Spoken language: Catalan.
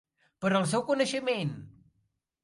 Per al seu coneixement.